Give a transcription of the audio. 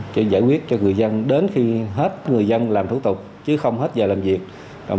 chứ giải quyết cho người dân đến khi hết người dân làm thủ tục chứ không hết giờ làm việc